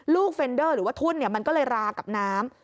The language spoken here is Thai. เฟนเดอร์หรือว่าทุ่นมันก็เลยรากับน้ำ